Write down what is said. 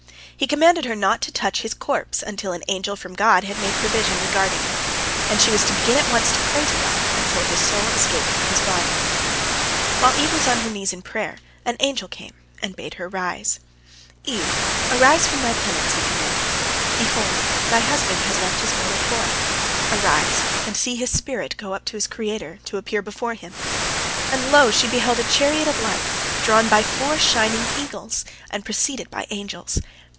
He commanded her not to touch his corpse until an angel from God had made provision regarding it, and she was to begin at once to pray to God until his soul escaped from his body. While Eve was on her knees in prayer, an angel came, and bade her rise. "Eve, arise from thy penance," he commanded. "Behold, thy husband hath left his mortal coil. Arise, and see his spirit go up to his Creator, to appear before Him." And, lo, she beheld a chariot of light, drawn by four shining eagles, and preceded by angels.